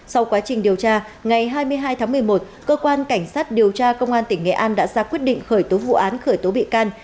sau quá trình điều tra ngày hai mươi hai tháng một mươi một cơ quan cảnh sát điều tra công an tỉnh nghệ an đã ra quyết định khởi tố vụ án khởi tố bị can